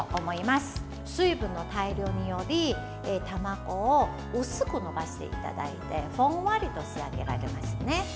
水分の対流により卵を薄くのばしていただいてふんわりと仕上げられますね。